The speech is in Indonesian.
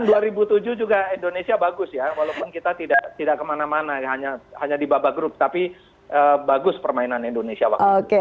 tahun dua ribu tujuh juga indonesia bagus ya walaupun kita tidak kemana mana hanya di babak grup tapi bagus permainan indonesia waktu itu